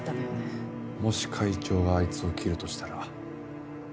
もし会長があいつを切るとしたら。